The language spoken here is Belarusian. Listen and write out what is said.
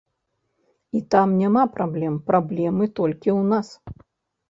І там няма праблем, праблемы толькі ў нас.